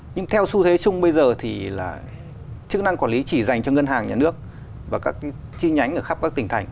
nhưng theo xu thế chung bây giờ thì là chức năng quản lý chỉ dành cho ngân hàng nhà nước và các chi nhánh ở khắp các tỉnh thành